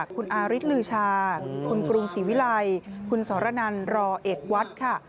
คุณอาริสลือชาคุณกรุงศรีวิลัยคุณสรนันรอเอกวัดค่ะ